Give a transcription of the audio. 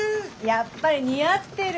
やっぱり似合ってる！